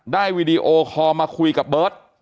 วีดีโอคอลมาคุยกับเบิร์ต